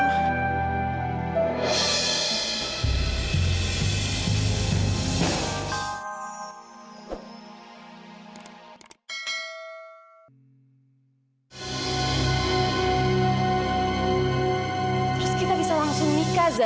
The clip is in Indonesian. terus kita bisa langsung nikah